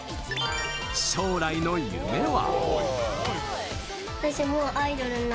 将来の夢は。